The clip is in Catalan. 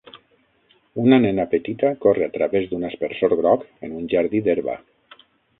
Una nena petita corre a través d'un aspersor groc en un jardí d'herba.